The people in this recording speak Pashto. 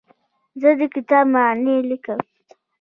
زه د کتاب معنی لیکم.